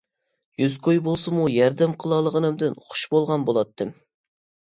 يۈز كوي بولسىمۇ ياردەم قىلالىغىنىمدىن خۇش بولغان بولاتتىم.